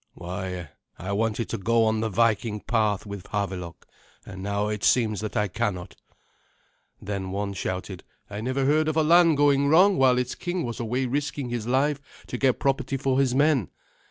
"Why, I wanted to go on the Viking path with Havelok, and now it seems that I cannot." Then one shouted, "I never heard of a land going wrong while its king was away risking his life to get property for his men.